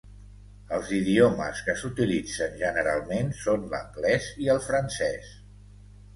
Els idiomes que s'utilitzen generalment són l'anglès i el francès.